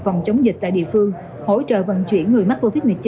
phòng chống dịch tại địa phương hỗ trợ vận chuyển người mắc covid một mươi chín